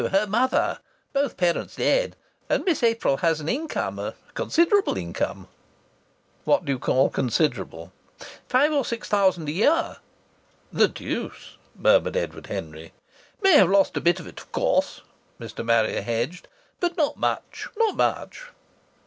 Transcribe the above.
Her mother. Both parents dead, and Miss April has an income a considerable income." "What do you call considerable?" "Five or six thousand a year." "The deuce!" murmured Edward Henry. "May have lost a bit of it, of course," Mr. Marrier hedged. "But not much, not much!"